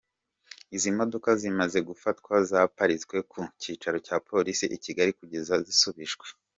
Izi modoka zimaze gufatwa zaparitswe ku Cyicaro cya Polisi i Kigali kugeza zisubijwe.